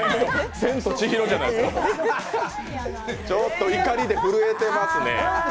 ちょっと怒りで震えてますね。